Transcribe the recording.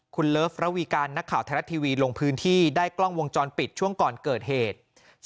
คุณเลิฟระวีการนักข่าวไทยรัฐทีวีลงพื้นที่ได้กล้องวงจรปิดช่วงก่อนเกิดเหตุ